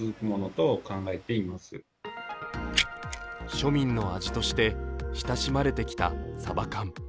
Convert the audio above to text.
庶民の味として親しまれてきたサバ缶。